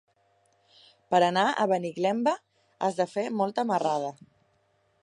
Per anar a Benigembla has de fer molta marrada.